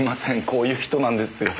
こういう人なんですよ。